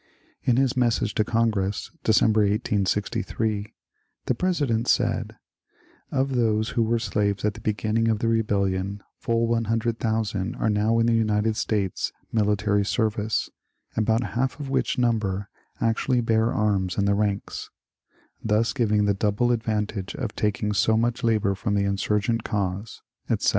In his message to Congress, December, 1868, the Presi dent said :^' Of those who were slaves at the beginning of the rebellion full 100,000 are now in the United States mili tary service, about half of which number actually bear arms in the ranks, — thus giving the double advantage of taking 80 much labor from the insvrgent cdtisej^ etc.